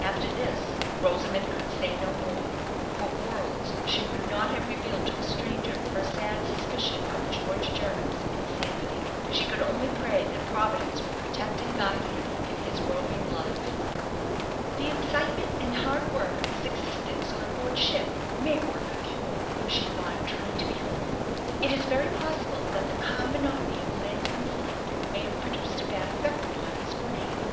After this, Rosamond could say no more. For worlds she would not have revealed to a stranger her sad suspicion of George Jernam's insanity. She could only pray that Providence would protect and guide him in his roving life. "The excitement and hard work of his existence on board ship may work a cure," she thought, trying to be hopeful. "It is very possible that the calm monotony of a landsman's life may have produced a bad effect upon his brain.